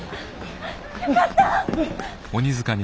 よかった！